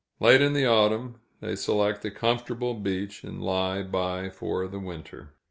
Late in the autumn, they select a comfortable beach, and lie by for the winter.